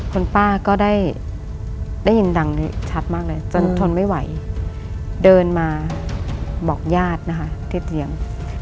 คุณป้าก็ได้ยินดังนี้ชัดมากเลยจนทนไม่ไหวเดินมาบอกญาตินะคะที่เตรียม